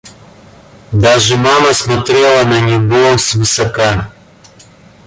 Даже мама смотрела на него свысока.